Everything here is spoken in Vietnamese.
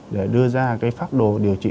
để đưa ra cái pháp đồ điều trị